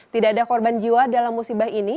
tidak ada korban jiwa dalam musibah ini